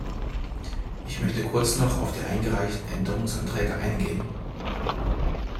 Ich möchte kurz noch auf die eingereichten Änderungsanträge eingehen.